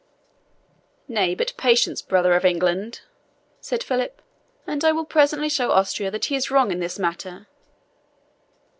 "Nay, but patience, brother of England," said Philip, "and I will presently show Austria that he is wrong in this matter.